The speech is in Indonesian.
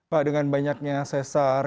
pak dengan banyaknya sesar